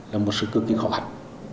là một sự cực kỳ khó hẳn